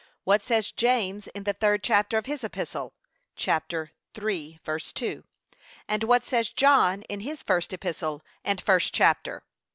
what says James in the third chapter of his epistle? (ch. 3:2) And what says John in his first epistle, and first chapter?